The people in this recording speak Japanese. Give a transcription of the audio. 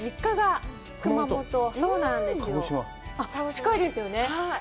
近いですよね。